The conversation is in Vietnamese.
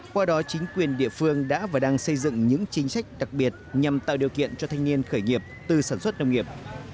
qua đó chính quyền địa phương đã và đang xây dựng những chính sách đặc biệt nhằm tạo điều kiện cho thanh niên khởi nghiệp từ sản xuất nông nghiệp